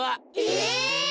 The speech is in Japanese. え！？